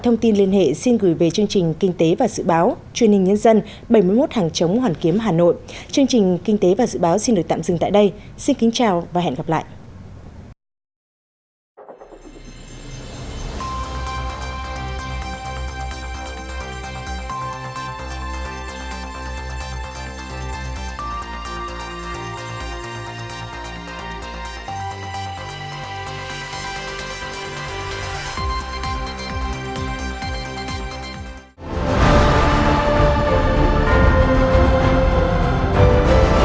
hãy đăng ký kênh để ủng hộ kênh của chúng mình nhé